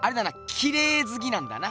きれいずきなんだな。